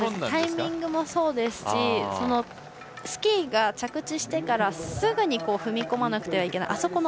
タイミングもそうですしスキーが着地してからすぐに踏み込まなくてはいけない。